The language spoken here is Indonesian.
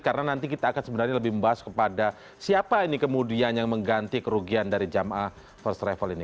karena nanti kita akan sebenarnya lebih membahas kepada siapa ini kemudian yang mengganti kerugian dari jam a first travel ini